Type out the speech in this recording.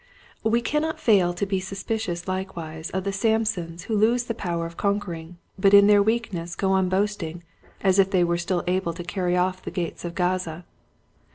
We cannot fail to be suspicious likewise of the Samsons who lose the power of con quering but in their weakness go on boast ing as if they were still able to carry off the gates of Gaza.